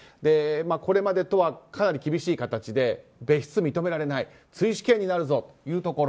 これまでとはかなり厳しい形で別室認められない追試験になるぞというところ。